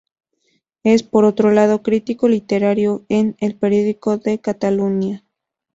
Es, por otro lado, crítico literario en "El Periódico de Catalunya".